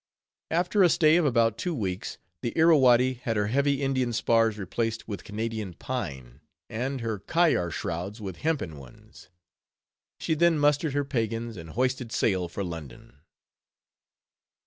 After a stay of about two weeks, the Irrawaddy had her heavy Indian spars replaced with Canadian pine, and her kayar shrouds with hempen ones. She then mustered her pagans, and hoisted sail for London.